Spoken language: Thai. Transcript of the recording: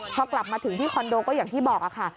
พอกลับมาถึงที่คอนโดก็อย่างที่บอกค่ะ